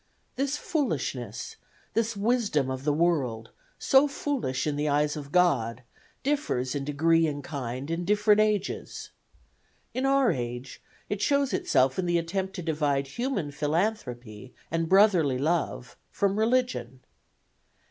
This foolishness, this wisdom of the world, so foolish in the eyes of God, differs in degree and kind in different ages. In our age it shows itself in the attempt to divide human philanthropy and brotherly love from religion.